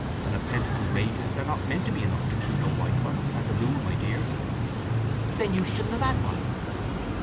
"An apprentice's wages are not meant to be enough to keep a wife on, as a rule, my dear." "Then you shouldn't have had one."